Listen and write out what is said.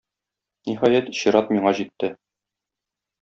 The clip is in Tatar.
Ниһаять, чират миңа җитте.